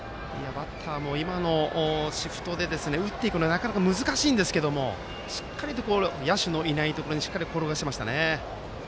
バッターも今のシフトで打っていくのはなかなか難しいんですけども野手のいないところにしっかり転がしましたね。